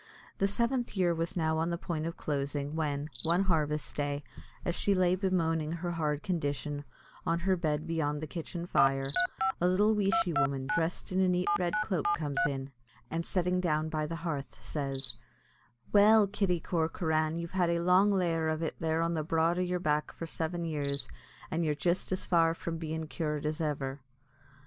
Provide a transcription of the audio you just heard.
The seventh year was now on the point of closing, when, one harvest day, as she lay bemoaning her hard condition, on her bed beyond the kitchen fire, a little weeshy woman, dressed in a neat red cloak, comes in, and, sitting down by the hearth, says: "Well, Kitty Corcoran, you've had a long lair of it there on the broad o' yer back for seven years, an' you're jist as far from bein' cured as ever."